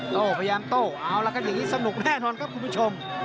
โต้พยายามโต้เอาละครับอย่างนี้สนุกแน่นอนครับคุณผู้ชม